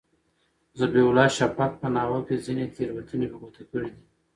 ذبیح الله شفق په ناول کې ځینې تېروتنې په ګوته کړي دي.